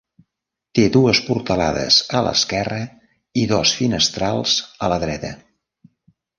Té dues portalades a l'esquerra i dos finestrals a la dreta.